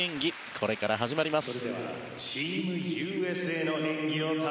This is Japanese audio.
これから始まります。